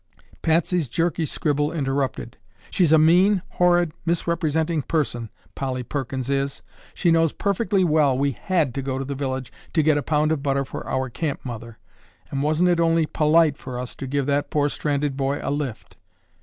Patsy's jerky scribble interrupted. "She's a mean, horrid, misrepresenting person, Polly Perkins is! She knows perfectly well we had to go to the village to get a pound of butter for our camp mother, and wasn't it only polite for us to give that poor stranded boy a lift?